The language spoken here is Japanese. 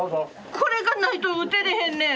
これがないと打てれへんねん。